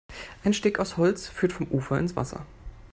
Ein Steg aus Holz führt vom Ufer ins Wasser.